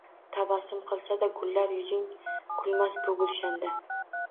Tabassum qilsada gullar yuzing kulmas bu gulshanda